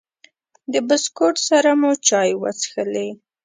د بسکوټ سره مو چای وڅښلې.